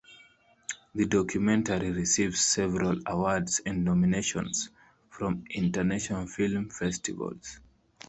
The documentary received several awards and nominations from international film festivals.